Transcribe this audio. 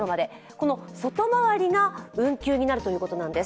この外回りが運休になるということなんです。